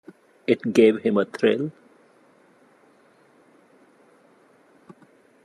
It gave him a thrill.